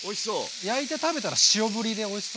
焼いて食べたら塩ぶりでおいしそう。